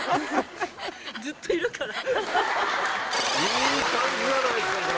いい感じじゃないですかこれ！